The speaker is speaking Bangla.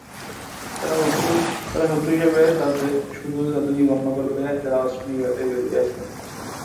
তারা শত্রু হিসেবে শুধু তাদেরকেই গণ্য করবে, যারা অস্ত্র নিয়ে বাইরে বেরিয়ে আসবে।